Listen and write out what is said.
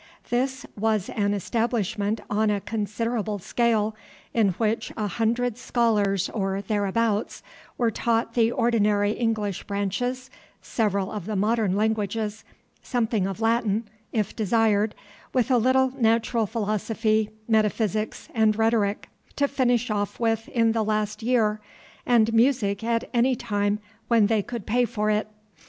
This was an establishment on a considerable scale, in which a hundred scholars or thereabouts were taught the ordinary English branches, several of the modern languages, something of Latin, if desired, with a little natural philosophy, metaphysics, and rhetoric, to finish off with in the last year, and music at any time when they would pay for it.